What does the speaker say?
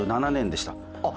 ４７年でした。